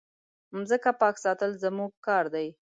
مځکه پاک ساتل زموږ کار دی.